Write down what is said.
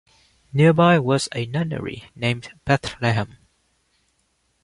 Nearby was a nunnery named Bethlehem.